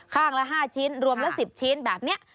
ข้างละ๕ชิ้นรวมละ๑๐ชิ้นแบบนี้